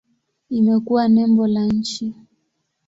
Imekuwa nembo la nchi.